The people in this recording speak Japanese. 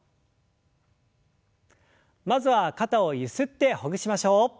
まずは肩をゆすってほぐしましょう。